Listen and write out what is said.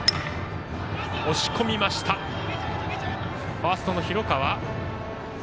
ファーストの広川。